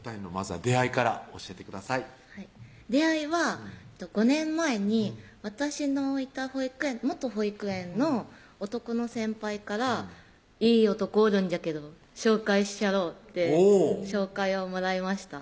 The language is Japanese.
はい出会いは５年前に私のいた保育園元保育園の男の先輩から「いい男おるんじゃけど紹介しちゃろう」って紹介をもらいました